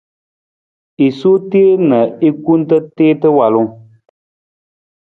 I sowa teen na i kunta tiita waalung.